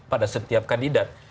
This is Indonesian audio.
pada setiap kandidat